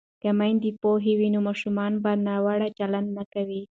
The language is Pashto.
که میندې پوهې وي نو ماشومان به ناوړه چلند نه کوي.